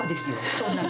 そんなの。